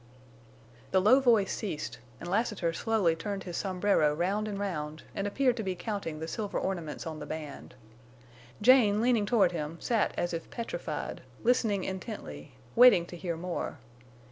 The low voice ceased, and Lassiter slowly turned his sombrero round and round, and appeared to be counting the silver ornaments on the band. Jane, leaning toward him, sat as if petrified, listening intently, waiting to hear more.